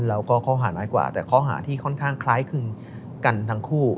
เราก็เข้าหาไม่กว่าแต่เข้าหาที่ค่อนข้างคล้ายคืนกันทั้งคู่